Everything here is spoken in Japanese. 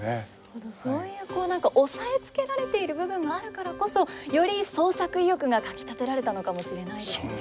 本当にそういうこう何か抑えつけられている部分があるからこそより創作意欲がかきたてられたのかもしれないですね。